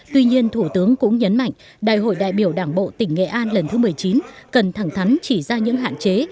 tuy nhiên thủ tướng cũng nhấn mạnh đại hội đại biểu đảng bộ tỉnh nghệ an lần thứ một mươi chín cần thẳng thắn chỉ ra những hạn chế